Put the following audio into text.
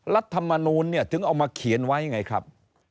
รัฐมนูลเนี่ยถึงเอามาเขียนไว้ไงครับ